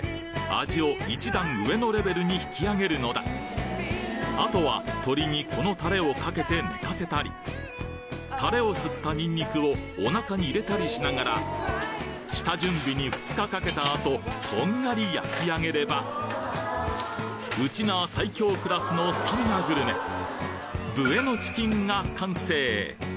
味を一段上のレベルに引き上げるのだあとは鶏にこのタレをかけて寝かせたりタレを吸ったニンニクをお腹に入れたりしながら下準備に２日かけた後こんがり焼き上げればウチナー最強クラスのスタミナグルメブエノチキンが完成！